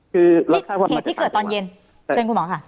คือเหตุที่เกิดตอนเย็นเชิญคุณหมอค่ะ